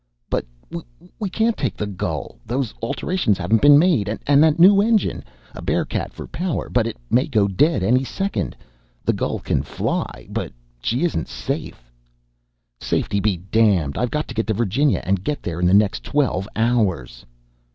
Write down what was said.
"But we can't take the Gull! Those alterations haven't been made. And that new engine! A bear cat for power, but it may go dead any second. The Gull can fly, but she isn't safe!" "Safety be damned! I've got to get to Virginia, and get there in the next twelve hours!"